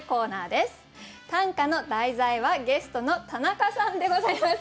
短歌の題材はゲストの田中さんでございます。